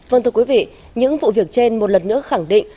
vâng thưa quý vị những vụ việc trên một lần nữa khẳng định